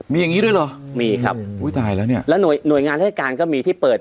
มีอย่างนี้ด้วยเหรอมีครับแล้วหน่วยงานรายการก็มีที่เปิด